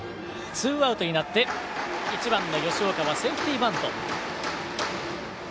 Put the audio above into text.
ツーアウトになって１番、吉岡はセーフティーバント。